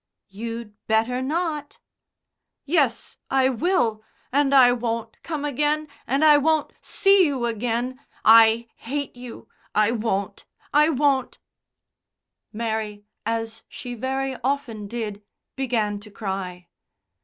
"You'd better not." "Yes, I will, and I won't come again, and I won't see you again. I hate you. I won't. I won't." Mary, as she very often did, began to cry.